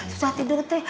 susah tidur tante